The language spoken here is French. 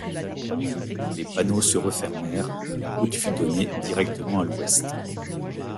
Les panneaux se refermèrent, et la route fut donnée directement à l’ouest.